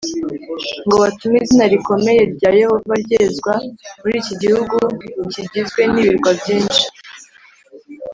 ngo batume izina rikomeye rya Yehova ryezwa muri iki gihugu kigizwe n ibirwa byinshi